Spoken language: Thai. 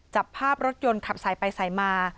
จับภาพรถยนต์ขับสายไปสายมา